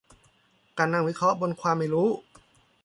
การนั่งวิเคราะห์บนความไม่รู้